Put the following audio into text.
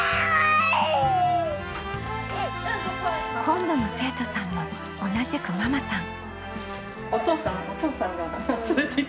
今度の生徒さんも同じくママさん。